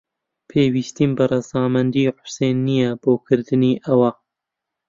پێویستیم بە ڕەزامەندیی حوسێن نییە بۆ کردنی ئەوە.